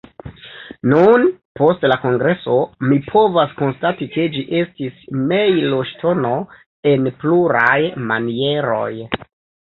Nun, post la kongreso, mi povas konstati ke ĝi estis mejloŝtono en pluraj manieroj.